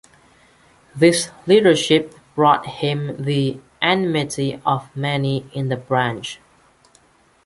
This leadership brought him the enmity of many in the branch.